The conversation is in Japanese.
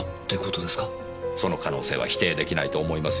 その可能性は否定出来ないと思いますよ。